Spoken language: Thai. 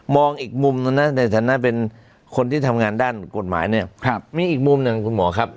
มองอีกมุมในฐานะเป็นคนที่ทำงานด้านกฎหมายมีอีกมุมคุณหมอครับ